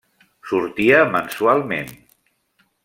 Sortia mensualment.